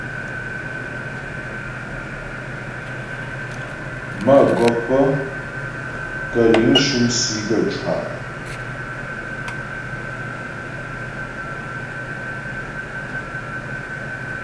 Mə́gɔp kə̂ liŋ shʉm sì gaə́ cwâ'a.